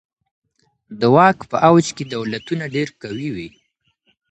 د واک په اوج کي دولتونه ډیر قوي وي.